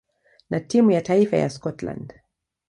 na timu ya taifa ya Scotland.